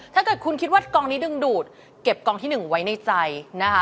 ถ้าเกิดคุณคิดว่ากองนี้ดึงดูดเก็บกองที่๑ไว้ในใจนะคะ